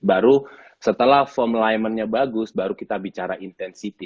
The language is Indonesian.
baru setelah form alignmentnya bagus baru kita bicara intensiti